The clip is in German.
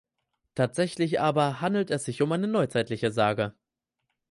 Tatsächlich aber handelt es sich um eine neuzeitliche Sage.